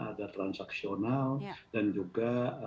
ada transaksional dan juga